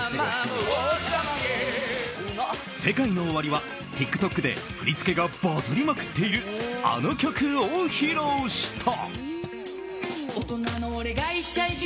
ＳＥＫＡＩＮＯＯＷＡＲＩはＴｉｋＴｏｋで振り付けがバズりまくっているあの曲を披露した。